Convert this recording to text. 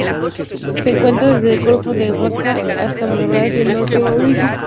Se encuentra desde el Golfo de Aqaba hasta Madagascar y el norte de Mauricio.